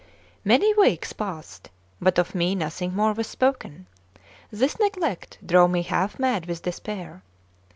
CXII MANY weeks passed, but of me nothing more was spoken. This neglect drove me half mad with despair.